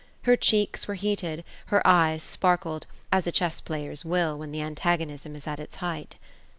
Her cheeks were heated, her eyes sparkled, as a chess player's will, when the antagonism is at its height.